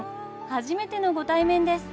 初めてのご対面です。